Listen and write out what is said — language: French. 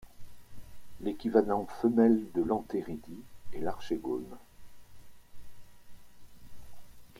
L'équivalent femelle de l'anthéridie est l'archégone.